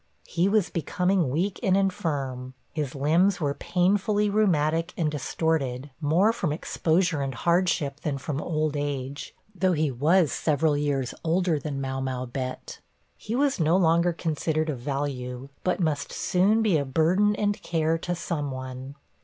He was becoming weak and infirm; his limbs were painfully rheumatic and distorted more from exposure and hardship than from old age, though he was several years older than Mau mau Bett: he was no longer considered of value, but must soon be a burden and care to some one.